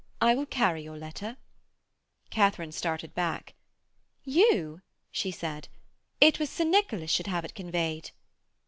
I will carry your letter.' Katharine started back. 'You!' she said. 'It was Sir Nicholas should have it conveyed.'